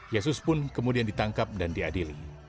yesus pun kemudian ditangkap dan diadili